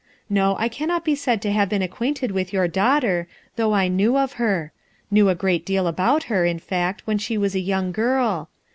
No, I cannot be said to have been acquainted with your daughter, though I knew of her; knew a great deal about her, in fact, when she was a young girl.